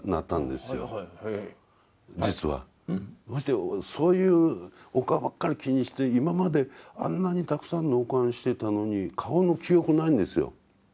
そしてそういうお顔ばっかり気にして今まであんなにたくさん納棺してたのに顔の記憶ないんですよ。